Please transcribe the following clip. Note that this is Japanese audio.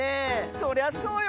そりゃそうよ。